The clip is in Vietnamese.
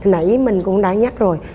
nãy mình cũng đã nhắc rồi